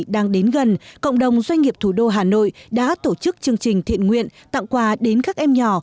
đang đến gần cộng đồng doanh nghiệp thủ đô hà nội đã tổ chức chương trình thiện nguyện tặng quà đến các em nhỏ